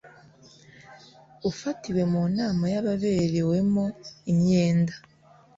ufatiwe mu nama y ababerewemo imyenda